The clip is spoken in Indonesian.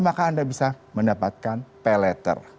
maka anda bisa mendapatkan pay letter